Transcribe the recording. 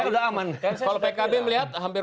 sudah aman kalau pkb melihat hampir